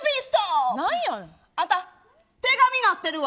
あんた、てがみなってるわ。